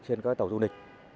trên các tàu du lịch